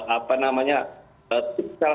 apa namanya secara